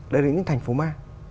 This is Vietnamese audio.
đấy là những thành phố ma